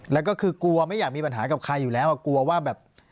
แล้วก็คือกลัวไม่อยากมีปัญหากับใครอยู่แล้วกลัวว่าแบบ